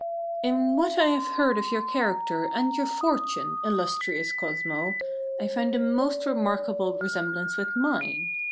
In what I have heard of your character and your fortune, illustrious Cosmo, I find a most remarkable resemblance with mine.